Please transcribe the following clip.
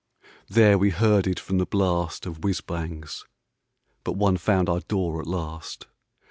. There we herded from the blast Of whizz bangs, but one found our door at last.